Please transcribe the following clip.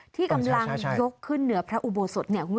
ที่กำลังยกขึ้นเหนือพระอุโบสถเนี่ย